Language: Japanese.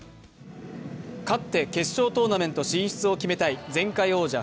勝って決勝トーナメント進出を決めたい前回王者